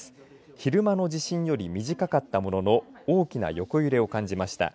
昼間の地震より短かったものの大きな横揺れを感じました。